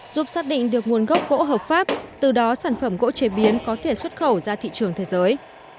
giúp xác định được nguồn gốc gỗ hợp pháp từ đó sản phẩm gỗ chế biến có thể xuất khẩu ra thị trường thế giới